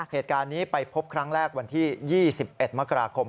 เหตุการณ์นี้ไปพบครั้งแรกวันที่๒๑มกราคม